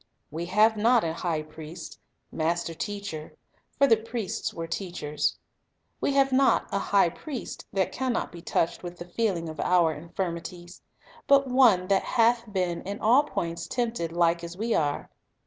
"We have not a high priest" — master teacher, for the priests were teachers —" we have not a high priest that can not be touched with the feeling of our infirmi ties ; but one that hath been in all points tempted like as we are."